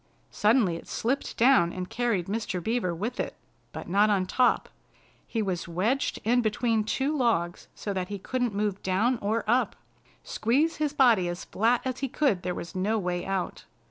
Suddenly it slipped down and carried Mr. Beaver with it, but not on top. He was wedged in between two logs so that he couldn't move down or up. Squeeze his body as flat as he could there was no way out.